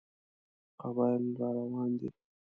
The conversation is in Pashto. قبایل را روان دي.